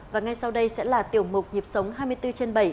và ngay sau đây sẽ là tiểu mục nhịp sống hai mươi bốn trên bảy